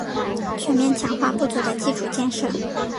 全面强化不足的基础建设